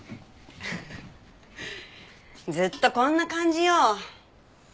フフフずっとこんな感じよ。